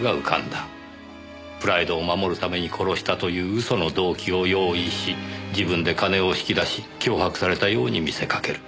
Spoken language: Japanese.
プライドを守るために殺したという嘘の動機を用意し自分で金を引き出し脅迫されたように見せかける。